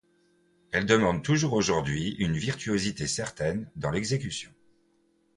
Elles demandent toujours aujourd'hui une virtuosité certaine dans l'exécution.